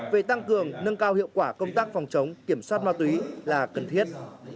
về tăng cường nâng cao hiệu quả công tác phòng chống kiểm soát ma túy là cần thiết